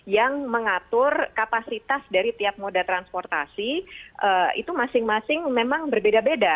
yang mengatur kapasitas dari tiap moda transportasi itu masing masing memang berbeda beda